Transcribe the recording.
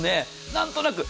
何となく。